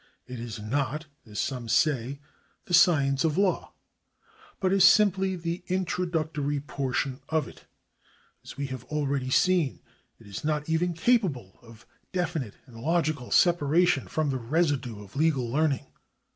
It is not, as some say, the science of law, but is simply the introductory portion of it. As we have already seen, it is not even capable of definite and logical separation from the residue of legal learning.